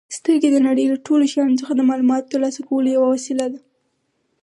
سترګې د نړۍ له ټولو شیانو څخه د معلوماتو ترلاسه کولو یوه وسیله ده.